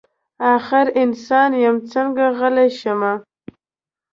اخر انسان یم څنګه غلی شمه.